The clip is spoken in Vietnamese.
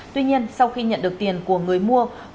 tuy nhiên sau khi nhận được tiền của người mua